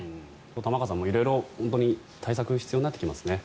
玉川さん、色々本当に対策が必要になってきますね。